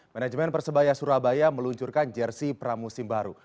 manajemen persebaya surabaya meluncurkan jersi pramusim baru